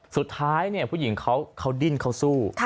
สุดท้ายเนี่ยผู้หญิงเขาดิ้นเขาสู้